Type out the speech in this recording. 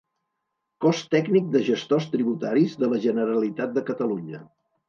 Cos tècnic de gestors tributaris de la Generalitat de Catalunya.